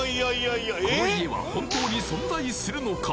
この家は本当に存在するのか？